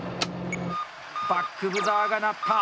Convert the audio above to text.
バックブザーが鳴った。